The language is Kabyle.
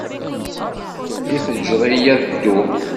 I tejjed-iyi ad dduɣ?